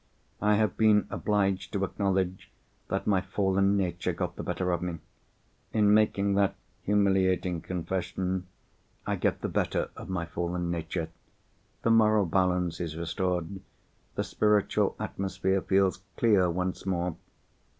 I have been obliged to acknowledge that my fallen nature got the better of me. In making that humiliating confession, I get the better of my fallen nature. The moral balance is restored; the spiritual atmosphere feels clear once more.